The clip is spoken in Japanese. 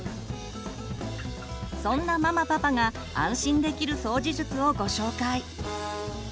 そんなママパパが安心できる掃除術をご紹介。